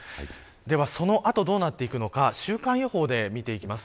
ではその後どうなっていくのか週間予報で見ていきます。